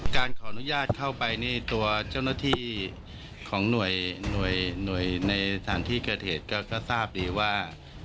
การขออนุญาตเข้าไปนี่ตัวเจ้าหน้าที่ของหน่วยในสถานที่เกิดเหตุก็ทราบดีว่า